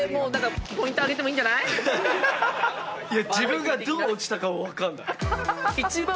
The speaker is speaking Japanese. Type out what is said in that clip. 自分がどう落ちたかも分かんない。